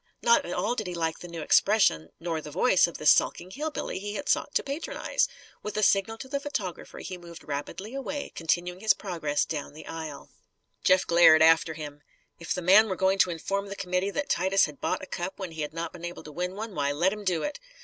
Not at all did he like the new expression, nor the voice, of this sulking hill billy he had sought to patronise. With a signal to the photographer he moved rapidly away, continuing his progress down the aisle. Jeff glared after him. If the man were going to inform the committee that Titus had bought a cup when he had not been able to win one, why, let him do it!